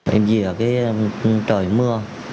em dì ở cái trời mưa